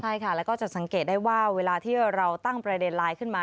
ใช่ค่ะแล้วก็จะสังเกตได้ว่าเวลาที่เราตั้งประเด็นไลน์ขึ้นมา